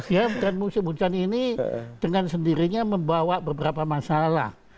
ya dan musim hujan ini dengan sendirinya membawa beberapa masalah